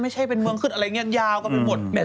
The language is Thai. ไม่ใช่เป็นเมืองขึ้นอะไรงี้ยังยาวก็เป็นหมด